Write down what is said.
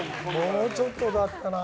もうちょっとだったな。